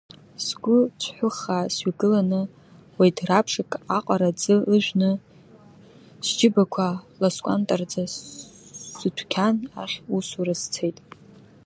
Сгәы цәҳәыхаа сҩагыланы, уедрабжак аҟара аӡы ыжәны сџьыбақәа ласкәантраӡа, сыдәқьан ахь усура сцеит.